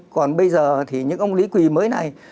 còn bây giờ thì những ông lý quỳ mới này